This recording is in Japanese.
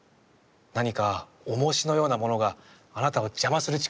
何かおもしのようなものがあなたを邪魔する力が働いてるんです。